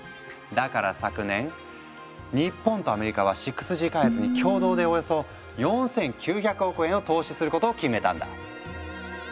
だから昨年日本とアメリカは６Ｇ開発に共同でおよそ４，９００億円を投資することを決めたんだ。